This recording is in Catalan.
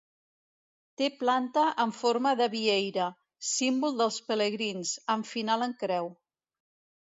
Té planta en forma de vieira, símbol dels pelegrins, amb final en creu.